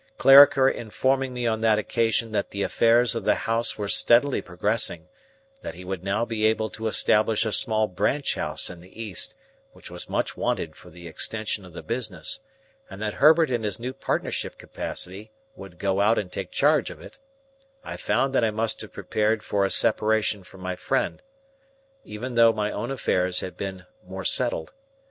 Clarriker informing me on that occasion that the affairs of the House were steadily progressing, that he would now be able to establish a small branch house in the East which was much wanted for the extension of the business, and that Herbert in his new partnership capacity would go out and take charge of it, I found that I must have prepared for a separation from my friend, even though my own affairs had been more settled.